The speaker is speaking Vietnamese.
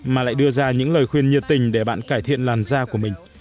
mà lại đưa ra những lời khuyên nhiệt tình để bạn cải thiện làn da của mình